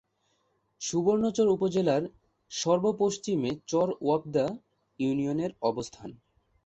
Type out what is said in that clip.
সুবর্ণচর উপজেলার সর্ব-পশ্চিমে চর ওয়াপদা ইউনিয়নের অবস্থান।